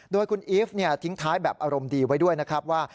โดยคุณอีฟทิ้งท้ายแบบอารมณ์ดีไว้ด้วยนะครับว่า